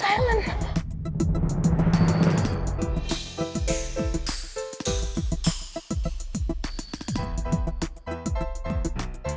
helsito ini tiaga sih